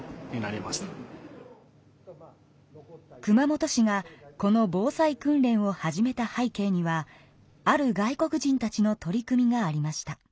熊本市がこの防災訓練を始めたはい景にはある外国人たちの取り組みがありました。